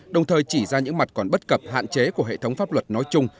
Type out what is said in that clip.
đồng thời chỉ ra những mặt còn bất cập hạn chế của hệ thống pháp luật nói chung